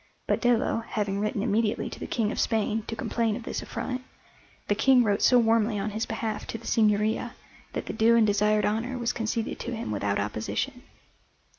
But Dello having written immediately to the King of Spain to complain of this affront, the King wrote so warmly on his behalf to the Signoria that the due and desired honour was conceded to him without opposition.